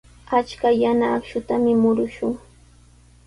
Achka yana akshutami murushun.